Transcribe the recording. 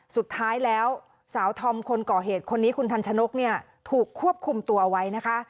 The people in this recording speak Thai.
สุดท้ายแล้วสาวธอมคนก่อเหตุคนนี้คุณทันชนกเนี่ยถูกควบคุมตัวเอาไว้นะคะ